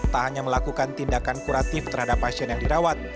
tak hanya melakukan tindakan kuratif terhadap pasien yang dirawat